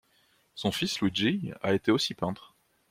Son fils Luigi a été aussi peintre.